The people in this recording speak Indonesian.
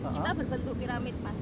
kita berbentuk piramid mas